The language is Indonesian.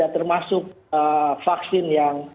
termasuk vaksin yang